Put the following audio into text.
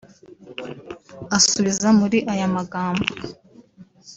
asubiza muri aya magambo